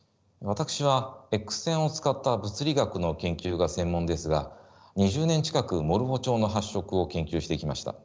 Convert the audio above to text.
私はＸ線を使った物理学の研究が専門ですが２０年近くモルフォチョウの発色を研究してきました。